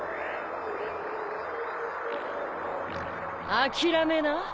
諦めな。